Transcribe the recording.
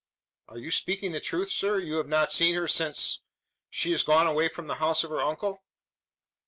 "Are you speaking the truth, sir? You have not seen her since she is gone away from the house of her uncle?"